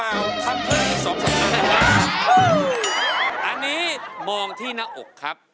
อันนี้มองที่หน้าอกครับ